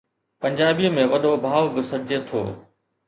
پنجابي ۾ وڏو ڀاءُ به سڏجي ٿو.